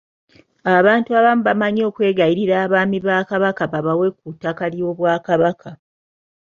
Abantu abamu bamanyi okwegayirira Abaami ba Kabaka babawe ku ttaka ly'Obwakabaka.